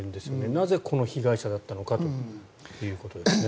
なぜこの被害者だったのかということですね。